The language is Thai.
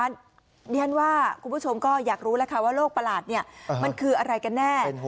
นี่ฮะคุณผู้ชมก็อยากรู้แล้วกับโรคประหลาดมันคืออะไรกันเนี่ย